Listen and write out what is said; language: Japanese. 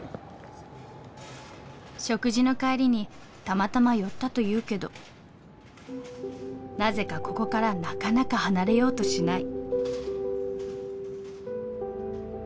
食事の帰りにたまたま寄ったと言うけどなぜかここからなかなか離れようとしない。